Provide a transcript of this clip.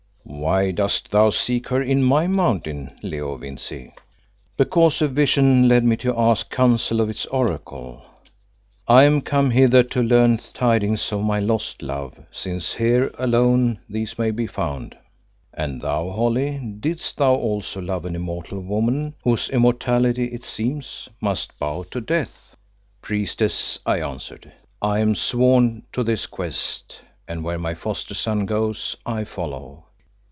"Why dost thou seek her in my Mountain, Leo Vincey?" "Because a vision led me to ask counsel of its Oracle. I am come hither to learn tidings of my lost love, since here alone these may be found." "And thou, Holly, didst thou also love an immortal woman whose immortality, it seems, must bow to death?" "Priestess," I answered, "I am sworn to this quest, and where my foster son goes I follow.